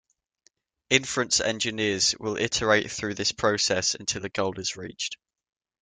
Inference engines will iterate through this process until a goal is reached.